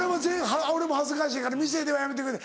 俺も恥ずかしいから店ではやめてくれって。